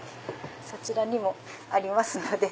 そちらにもありますので。